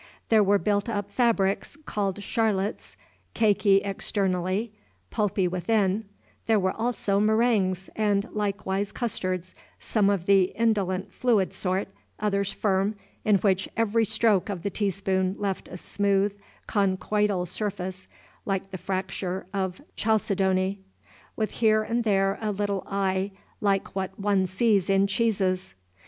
There were built up fabrics, called Charlottes, caky externally, pulpy within; there were also marangs, and likewise custards, some of the indolent fluid sort, others firm, in which every stroke of the teaspoon left a smooth, conchoidal surface like the fracture of chalcedony, with here and there a little eye like what one sees in cheeses.